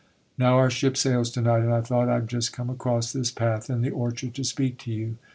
Now our ship sails to night, and I thought I'd just come across this path in the orchard to speak to you.